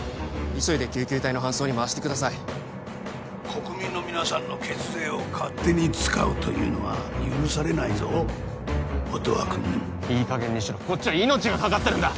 急いで救急隊の搬送に回してください国民の皆さんの血税を勝手に使うというのは許されないぞ音羽君いい加減にしろこっちは命がかかってるんだ！